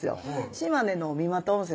「島根の美又温泉